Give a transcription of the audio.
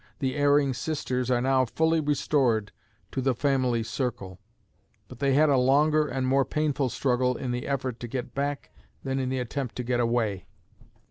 The "erring sisters" are now fully restored to the family circle; but they had a longer and more painful struggle in the effort to get back than in the attempt to get away.